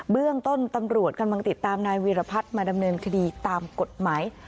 เรื่องต้นตำรวจกำลังติดตามนายวีรพัฒน์มาดำเนินคดีตามกฎหมาย